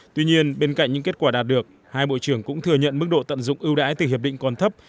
tuy nhiên bên cạnh những kết quả đạt được hai bộ trưởng cũng thừa nhận mức độ tận dụng ưu đãi từ hiệp định còn thấp